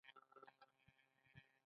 زړه ولې باید مات نشي؟